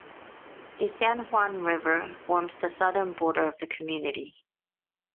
The San Juan River forms the southern border of the community.